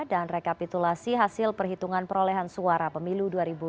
dan rekapitulasi hasil perhitungan perolehan suara pemilu dua ribu sembilan belas